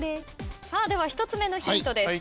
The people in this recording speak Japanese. では１つ目のヒントです。